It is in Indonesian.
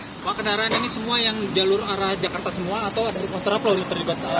semua kendaraan ini semua yang jalur arah jakarta semua atau kontraplo ini terlibat